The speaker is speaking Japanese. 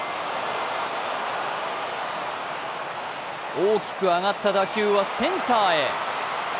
大きく上がった打球はセンターへ。